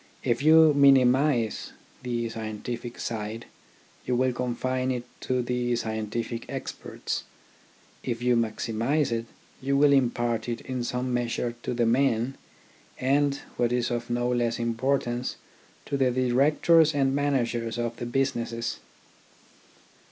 If you minimise the scientific side, you will confine it to the scientific experts; if you maximise it, you will impart it in some, measure to the men, and — what is of no less importance — to the directors and managers of the businesses.